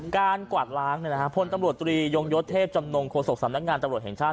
กวาดล้างพลตำรวจตรียงยศเทพจำนงโฆษกสำนักงานตำรวจแห่งชาติ